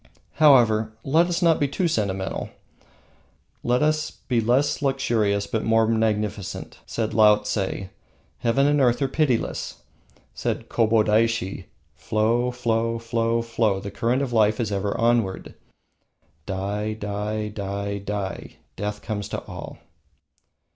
However, let us not be too sentimental. Let us be less luxurious but more magnificent. Said Laotse: "Heaven and earth are pitiless." Said Kobodaishi: "Flow, flow, flow, flow, the current of life is ever onward. Die, die, die, die, death comes to all."